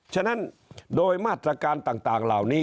ฉะนั้นโดยมาตรการต่างเหล่านี้